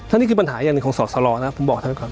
อันนี้คือปัญหาอย่างหนึ่งของสอดสลองนะครับผมบอกให้ไว้ก่อน